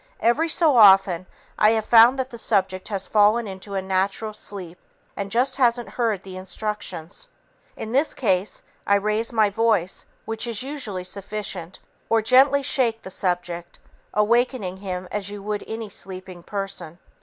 Every so often, I have found that the subject has fallen into a natural sleep and just hasn't heard the instructions. In this case I raise my voice which is usually sufficient or gently shake the subject awakening him as you would any sleeping person.